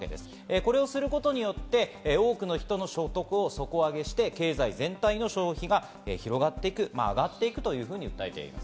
これをすることによって、多くの人の所得を底上げして経済全体の消費が広がっていく、上がっていくというふうに訴えています。